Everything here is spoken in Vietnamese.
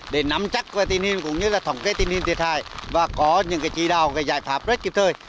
để nắm chắc tinh hình cũng như là thỏng kế tinh hình thiệt hại và có những cái chỉ đào và giải pháp rất kịp thời